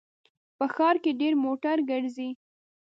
په ښار کې ډېر موټر ګرځي